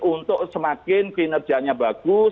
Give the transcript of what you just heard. untuk semakin kinerjanya bagus